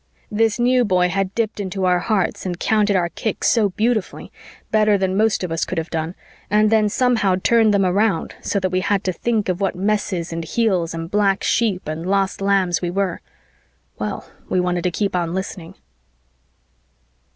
This New Boy had dipped into our hearts and counted our kicks so beautifully, better than most of us could have done, and then somehow turned them around so that we had to think of what messes and heels and black sheep and lost lambs we were well, we wanted to keep on listening.